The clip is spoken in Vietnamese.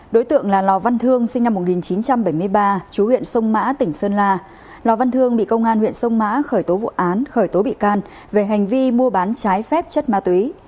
đối tượng là lò văn thương sinh năm một nghìn chín trăm bảy mươi ba chú huyện sông mã tỉnh sơn la lò văn thương bị công an huyện sông mã khởi tố vụ án khởi tố bị can về hành vi mua bán trái phép chất ma túy